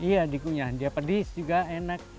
iya dikunyah dia pedis juga enak